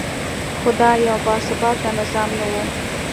خو دا یو باثباته نظام نه و.